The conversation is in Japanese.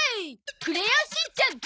『クレヨンしんちゃん』始まる。